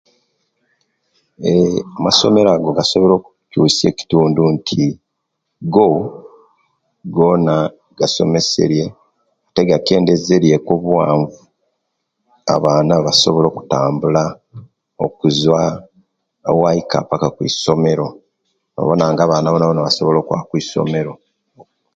Eee amasomero ago gasoboire okucusiya ekitundu nti go gona gasomeseriye ate gakendezeriye ku obuwanvu abaana basobola koutambula okuzuwa owaika paka kwisomero bawona nga abaana bonabona basobola okwaba okwisomero